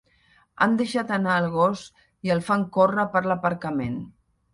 Han deixat anar el gos i el fan córrer per l'aparcament.